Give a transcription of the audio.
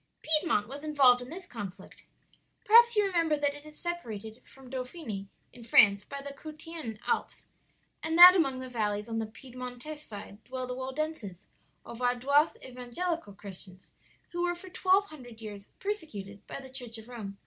"Piedmont was involved in this conflict. Perhaps you remember that it is separated from Dauphiny, in France, by the Cottian Alps, and that among the valleys on the Piedmontese side dwell the Waldenses or Vaudois evangelical Christians, who were for twelve hundred years persecuted by the Church of Rome.